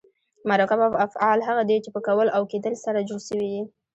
مرکب افعال هغه دي، چي په کول او کېدل سره جوړ سوي یي.